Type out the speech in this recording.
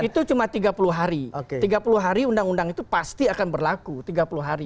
itu cuma tiga puluh hari tiga puluh hari undang undang itu pasti akan berlaku tiga puluh hari